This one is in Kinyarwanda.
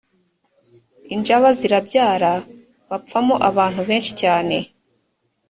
injaba zirabarya, bapfamo abantu benshi cyane.